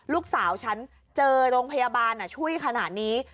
ลูกสาวฉันเจอโรงพยาบาลช่วยขนาดนี้